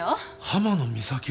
浜野美咲は。